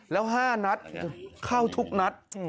แล้ว๕นัดเข้าทุกนัด